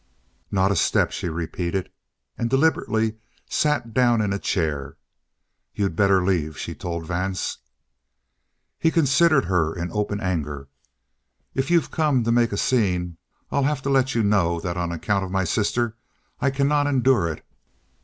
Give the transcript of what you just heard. "Not a step," she repeated, and deliberately sat down in a chair. "You'd better leave," she told Vance. He considered her in open anger. "If you've come to make a scene, I'll have to let you know that on account of my sister I cannot endure it.